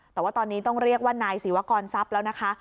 แต่ว่าตอนนี้ต้องเรียกว่านายศิวกรทรัพย์แล้วนะคะ